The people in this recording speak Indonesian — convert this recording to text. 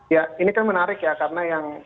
ya ini kan menarik ya karena yang